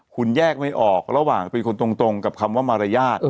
คุณแยกไม่ออกระหว่างเป็นคนตรงกับคำว่ามารยาท